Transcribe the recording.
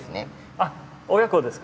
あっ親子ですか？